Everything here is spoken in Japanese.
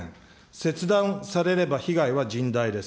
切断されれば被害は甚大です。